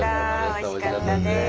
おいしかったです。